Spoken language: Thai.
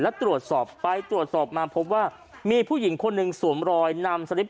และตรวจสอบไปตรวจสอบมาพบว่ามีผู้หญิงคนหนึ่งสวมรอยนำสลิป